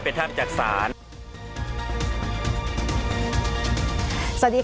ภารกิจสรรค์ภารกิจสรรค์